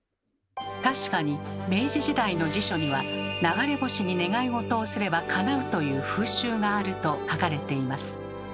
確かに明治時代の辞書には「流れ星に願いごとをすればかなう」という風習があると書かれています。